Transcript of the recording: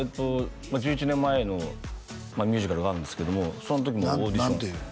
１１年前のミュージカルがあるんですけどもその時も何ていうん？